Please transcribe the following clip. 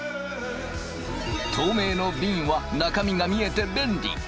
透明のびんは中身が見えて便利。